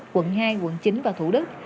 quận hai quận chín và thủ đức